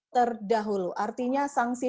terdahulu artinya sangsi